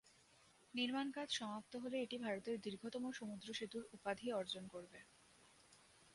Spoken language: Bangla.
নির্মাণকাজ সমাপ্ত হলে এটি ভারতের দীর্ঘতম সমুদ্র সেতুর উপাধি অর্জন করবে।